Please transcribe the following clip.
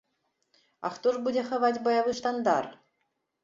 А хто ж будзе хаваць баявы штандар?